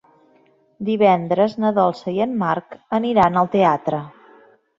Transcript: Divendres na Dolça i en Marc aniran al teatre.